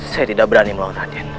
saya tidak berani melawan agen